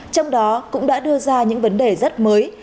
trong đó cũng đã đưa ra những vấn đề rất mới